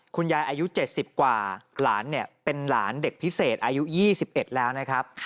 คุณยายอายุ๗๐กว่าหลานเนี่ยเป็นหลานเด็กพิเศษอายุ๒๑แล้วนะครับ